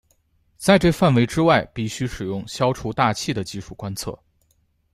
在这范围之外必须使用消除大气的技术观测。